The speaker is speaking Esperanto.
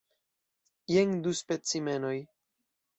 Jen du specimenoj.